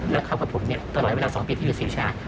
แล้วเขากับผมตลอดเวลา๒ปีที่อยู่ศิริชา